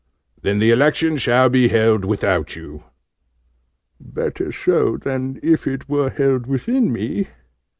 Then the Election shall be held without you." "Better so, than if it were held within me!"